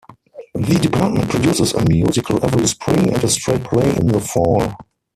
The department produces a musical every spring, and a straight play in the fall.